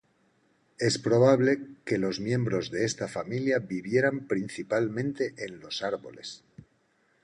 Es probable que los miembros de esta familia vivieran principalmente en los árboles.